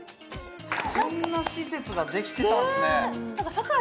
こんな施設ができてたんですね